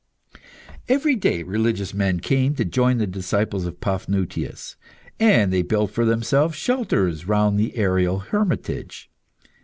Every day religious men came to join the disciples of Paphnutius, and they built for themselves shelters round the aerial hermitage.